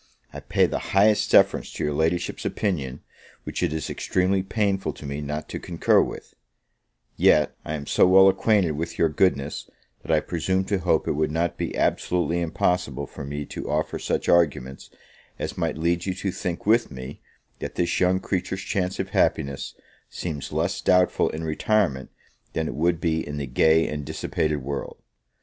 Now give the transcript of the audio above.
I pay the highest deference to your Ladyship's opinion, which it is extremely painful to me not to concur with; yet I am so well acquainted with your goodness, that I presume to hope it would not be absolutely impossible for me to offer such arguments as might lead you to think with me, that this young creature's chance of happiness seems less doubtful in retirement, than it would be in the gay and dissipated world.